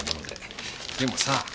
でもさ